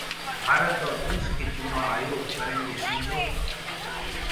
भारत और रूस के चुनाव आयोग करेंगे समझौता